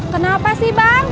kenapa sih bang